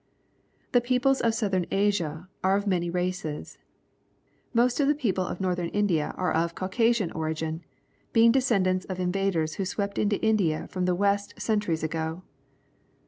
The peoples of Southern Asia are of many races. Most of the people of Northern India are of Caucasian origin, being descend ants of invaders who swept into India from the west cen turies ago.